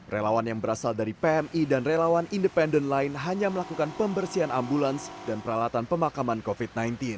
relawan yang berasal dari pmi dan relawan independen lain hanya melakukan pembersihan ambulans dan peralatan pemakaman covid sembilan belas